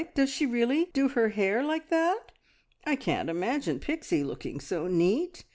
Does she really do her hair like that? I can't imagine Pixie looking so neat.